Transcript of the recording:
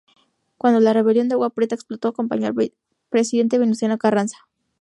Cuando la rebelión de Agua Prieta explotó, acompañó al presidente Venustiano Carranza.